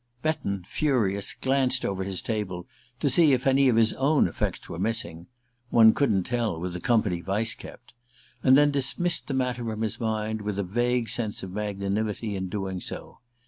Betton, furious, glanced over his table to see if any of his own effects were missing one couldn't tell, with the company Vyse kept! and then dismissed the matter from his mind, with a vague sense of magnanimity in doing so.